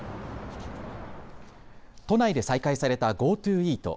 都内で再開されたＧｏＴｏイート。